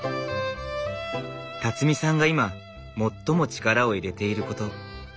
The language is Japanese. さんが今最も力を入れていること。